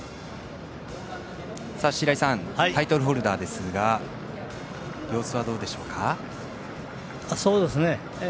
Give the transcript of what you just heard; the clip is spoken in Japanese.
白井さんタイトルホルダーですが様子はどうでしょうか？